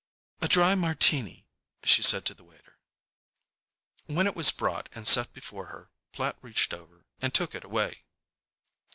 "A dry Martini," she said to the waiter. When it was brought and set before her Platt reached over and took it away.